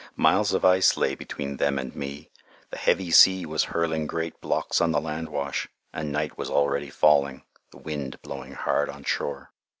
Miles of ice lay between them and me, the heavy sea was hurling great blocks on the landwash, and night was already falling, the wind blowing hard on shore.